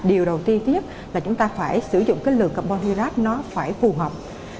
điều đầu tiên là chúng ta phải sử dụng lượng carbon hydrate nó phải phù hợp